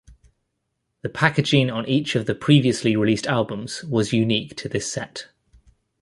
The packaging on each of the previously released albums was unique to this set.